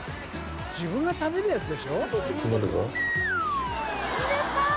自分が食べるやつでしょ？